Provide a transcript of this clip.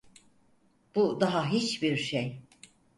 Bu daha hiçbir şey.